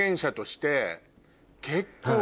結構。